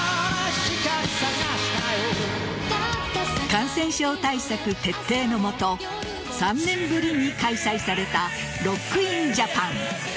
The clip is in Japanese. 感染症対策徹底の下３年ぶりに開催されたロック・イン・ジャパン。